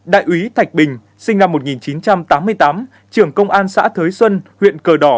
đại úy thạch bình sinh năm một nghìn chín trăm tám mươi tám trưởng công an xã thới xuân huyện cờ đỏ